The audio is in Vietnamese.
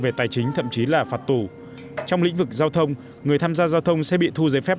về tài chính thậm chí là phạt tù trong lĩnh vực giao thông người tham gia giao thông sẽ bị thu giấy phép